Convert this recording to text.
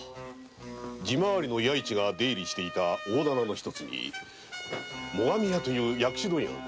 地回りの弥市が出入りしていた大店の一つに最上屋という薬種問屋が。